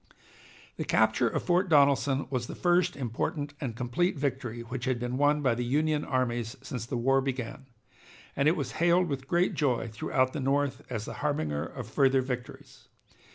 The capture of Fort Donelson was the first important and complete victory which had been won by the Union armies since the war began, and it was hailed with great joy throughout the North as the harbinger of further victories.